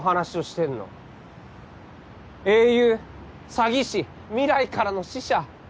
詐欺師？未来からの使者？